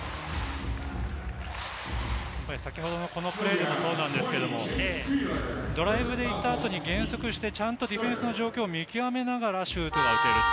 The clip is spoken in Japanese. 先程のプレーもですが、ドライブで行った後に減速して、ちゃんとディフェンスの状況を見極めながらシュートが打てる。